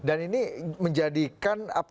dan ini menjadikan